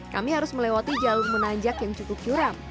kami harus melewati jalur menanjak yang cukup curam